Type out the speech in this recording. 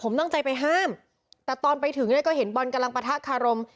ผมตั้งใจไปห้ามแต่ตอนไปถึงเนี่ยก็เห็นบอลกำลังปะทะคารม